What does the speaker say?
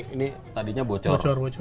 ini tadinya bocor